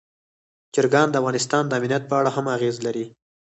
چرګان د افغانستان د امنیت په اړه هم اغېز لري.